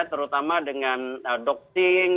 terutama dengan doxing